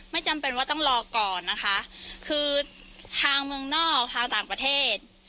จำเป็นว่าต้องรอก่อนนะคะคือทางเมืองนอกทางต่างประเทศ